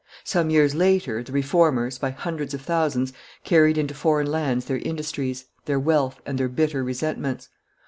Some years later, the Reformers, by hundreds of thousands, carried into foreign lands their industries, their wealth, and their bitter resentments.